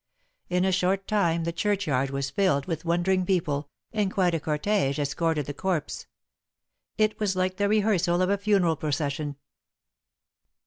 In a short time the churchyard was filled with wondering people, and quite a cortege escorted the corpse. It was like the rehearsal of a funeral procession.